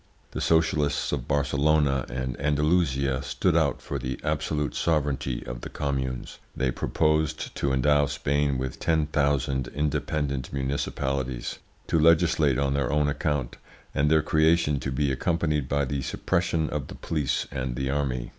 The socialists of Barcelona and Andalusia stood out for the absolute sovereignty of the communes; they proposed to endow Spain with ten thousand independent municipalities, to legislate on their own account, and their creation to be accompanied by the suppression of the police and the army.